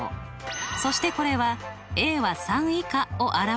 そしてこれはは３以下を表す記号です。